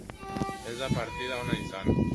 Ez da partida ona izan.